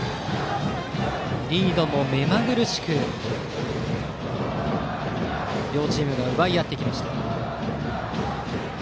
リードも目まぐるしく両チームが奪い合ってきました。